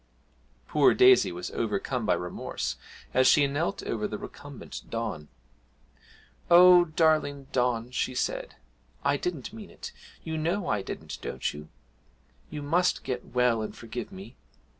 Poor Daisy was overcome by remorse as she knelt over the recumbent Don. 'Oh, darling Don,' she said, 'I didn't mean it you know I didn't, don't you? You must get well and forgive me!